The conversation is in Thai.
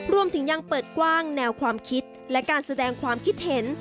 รวมถึงยังเปิดกว้างแนวความคิดและการแสดงความคิดเห็น